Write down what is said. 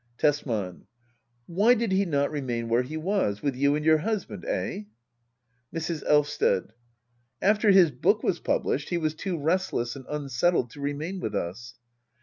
Tesman. Why did he not remain where he was ? With you and your husband } Eh } Mrs. Elvsted. After his book was published he was too rest less and unsettled to remain with us.